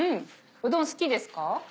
うどん好きですか？